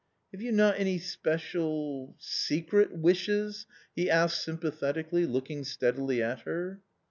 " Have you not any special .... secret wishes ?" he asked sympathetically, looking steadily at her.